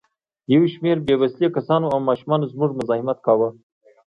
یو شمېر بې وسلې کسانو او ماشومانو زموږ مزاحمت کاوه.